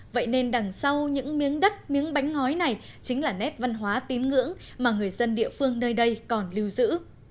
vậy nên đằng sau những miếng đất miếng bánh ngói này chính là nét văn hóa tín ngưỡng mà người dân địa phương nơi đây còn lưu giữ